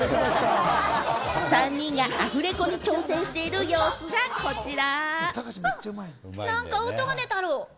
３人がアフレコに挑戦している様子がこちら。